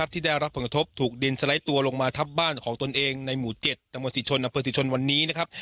ที่ได้รับผลกระทบถูกดินสไลด์ตัวลงมาทับบ้านของตนเองในหมู่๗ตมศรีชนอำเภอศรีชนวันนี้นะครับ